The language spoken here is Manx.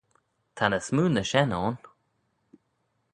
Ta ny smoo na shen ayn.